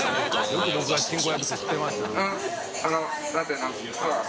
茲佑進行役って知ってましたね。